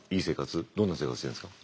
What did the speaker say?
どんな生活してるんですか？